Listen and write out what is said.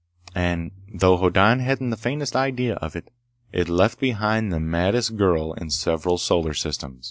And, though Hoddan hadn't the faintest idea of it, it left behind the maddest girl in several solar systems.